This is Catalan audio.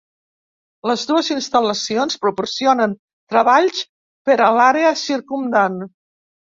Les dues instal·lacions proporcionen treballs per a l'àrea circumdant.